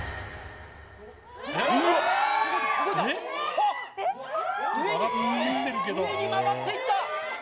あっ上に曲がっていった！